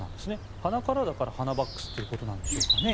鼻からだから、ハナバックスということなんでしょうかね。